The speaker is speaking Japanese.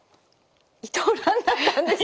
伊藤蘭だったんですね！